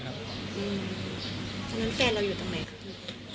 อืมแล้วแฟนเราอยู่ตรงไหนครับ